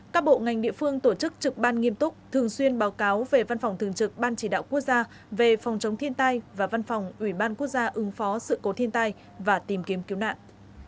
các bộ ngành địa phương tổ chức trực ban nghiêm túc thường xuyên báo cáo về văn phòng thường trực ban chỉ đạo quốc gia về phòng chống thiên tai và văn phòng ủy ban quốc gia ứng phó sự cố thiên tai và tìm kiếm cứu nạn